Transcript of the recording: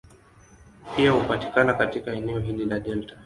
Pia hupatikana katika eneo hili la delta.